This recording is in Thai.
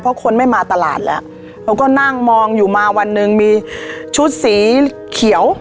เพราะคนไม่มาตลาดแล้วเขาก็นั่งมองอยู่มาวันหนึ่งมีชุดสีเขียว